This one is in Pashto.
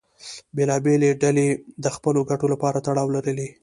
بېلابېلې ډلې د خپلو ګټو لپاره تړاو لرلې.